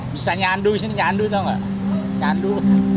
bisa nyandu di sini nyandu tau nggak nyandu